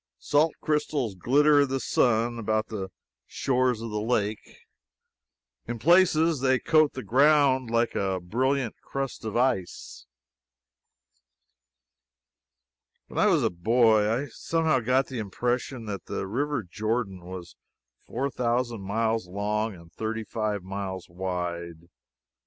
Salt crystals glitter in the sun about the shores of the lake. In places they coat the ground like a brilliant crust of ice. When I was a boy I somehow got the impression that the river Jordan was four thousand miles long and thirty five miles wide.